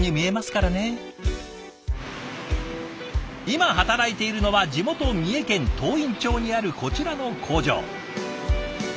今働いているのは地元三重県東員町にあるこちらの工場。